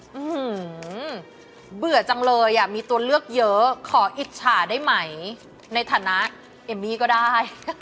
ื้อหือเบื่อจังเลยอ่ะมีตัวเลือกเยอะขออิจฉาได้ไหมในฐานะเอมมี่ก็ได้